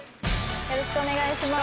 よろしくお願いします。